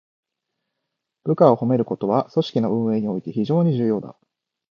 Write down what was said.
部下を褒めることは、組織の運営において非常に重要だ。